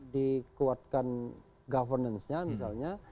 dikuatkan governance nya misalnya